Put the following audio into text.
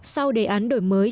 sau đề án đổi mới